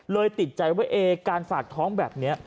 ติดใจว่าการฝากท้องแบบนี้